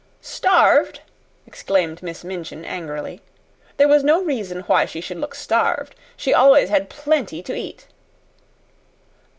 "Starved!" exclaimed Miss Minchin, angrily. "There was no reason why she should look starved. She always had plenty to eat!"